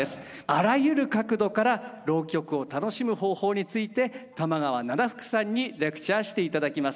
あらゆる角度から浪曲を楽しむ方法について玉川奈々福さんにレクチャーしていただきます。